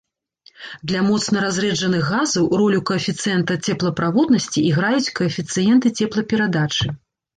Для моцна разрэджаных газаў ролю каэфіцыента цеплаправоднасці іграюць каэфіцыенты цеплаперадачы.